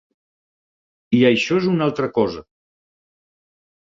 I això és una altra cosa.